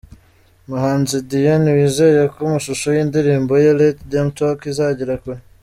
Umuhanzi Diyen wizeye ko amashusho y'indirimbo ye Let them talk izagera kure .